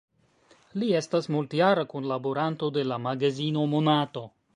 Li estas multjara kunlaboranto de la magazino "Monato".